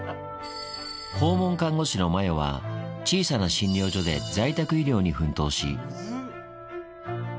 訪問看護師の麻世は、小さな診療所で在宅医療に奮闘し。